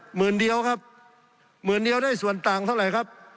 หมื่นเดียวครับหมื่นเดียวได้ส่วนต่างเท่าไหร่ครับ